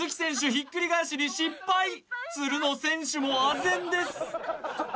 ひっくり返しに失敗つるの選手もあぜんです